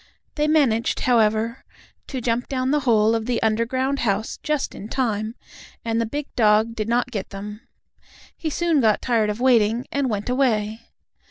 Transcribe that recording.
They managed, however, to jump down the hole of the underground house just in time, and the big dog did not get them. He soon got tired of waiting, and went away.